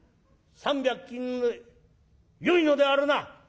３百金でよいのであるな？」。